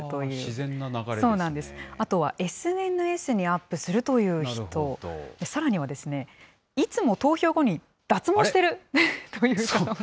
あとはＳＮＳにアップするという人、さらには、いつも投票後に脱毛してるという方も。